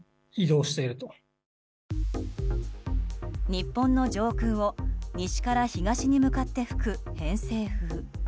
日本の上空を西から東に向かって吹く偏西風。